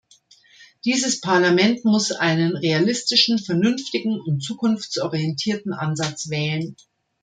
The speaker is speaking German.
Dieses Parlament muss einen realistischen, vernünftigen und zukunftsorientierten Ansatz wählen.